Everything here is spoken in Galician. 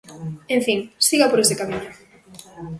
En fin, siga por ese camiño.